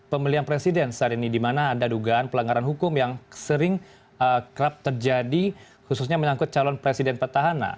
pemilihan presiden saat ini dimana ada dugaan pelanggaran hukum yang sering terjadi khususnya menangkut calon presiden petahana